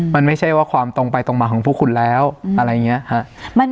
มันไม่ใช่ว่าความตรงไปตรงมาของพวกคุณแล้วอะไรอย่างนี้ฮะ